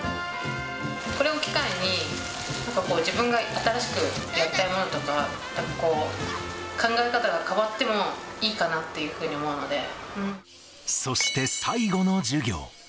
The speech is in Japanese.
これを機会に、なんかこう、自分が新しくやりたいものとか、考え方が変わってもいいかなってそして最後の授業。